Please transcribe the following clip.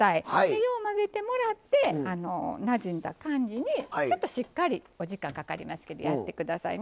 よう混ぜてもらってなじんだ感じにちょっとしっかりお時間がかかりますけどやってくださいね。